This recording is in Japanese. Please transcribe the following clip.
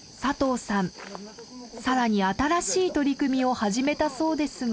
さらに新しい取り組みを始めたそうですが。